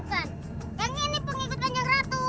yang ini pengikut ganteng ratu